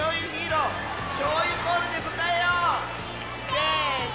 せの！